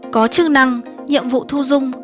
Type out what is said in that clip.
có chức năng nhiệm vụ thu dung